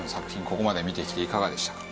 ここまで見てきていかがでしたか？